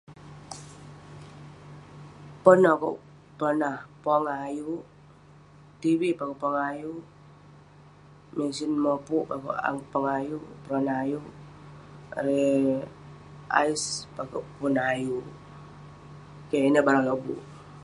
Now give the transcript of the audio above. Pon akouk peronah- pongah ayuk. Tv peh akouk pongah ayuk. Mesin mopuk peh akouk pongah- peronah ayuk. Erei ais peh akouk pongah ayuk. Keh, ineh barang lobuk.